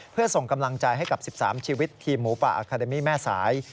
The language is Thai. เพื่อส่งกำลังใจให้กับ๑๓ชีวิตทีมหมูป่าอาคาเดมี่แม่สาย